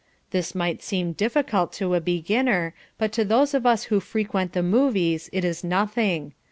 This might seem difficult to a beginner, but to those of us who frequent the movies it is nothing.